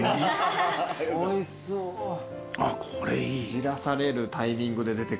じらされるタイミングで出てくるな。